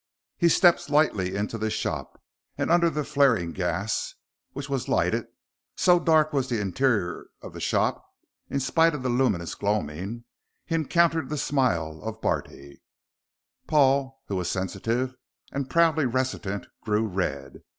He stepped lightly into the shop, and, under the flaring gas which was lighted, so dark was the interior of the shop in spite of the luminous gloaming he encountered the smile of Barty. Paul, who was sensitive and proudly reticent, grew red.